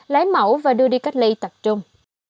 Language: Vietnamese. lấy mẫu và đưa đi các lây tạc trung